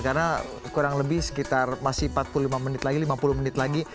karena kurang lebih sekitar masih empat puluh lima menit lagi lima puluh menit lagi